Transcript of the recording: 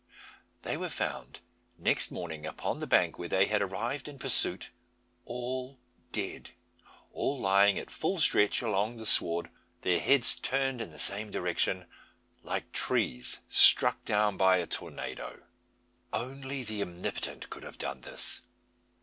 They were found next morning upon the bank where they had arrived in pursuit, all dead, all lying at full stretch along the sward, their heads turned in the same direction, like trees struck down by a tornado! Only the Omnipotent could have done this.